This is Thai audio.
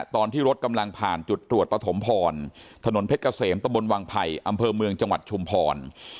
ตอนที่รถกำลังผ่านจุดตรวจปฐมพรถนนเพชรเกษมตะบนวังไผ่อำเภอเมืองจังหวัดชุมพร